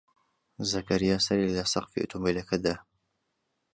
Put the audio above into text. زەکەریا سەری لە سەقفی ئۆتۆمۆبیلەکە دا.